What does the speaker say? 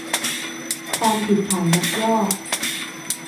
ความผิดฐานยักยอก